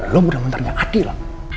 lo benar benarnya adil